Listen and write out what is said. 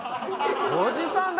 おじさんだ！